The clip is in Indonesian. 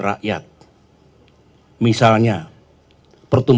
untuk semua orang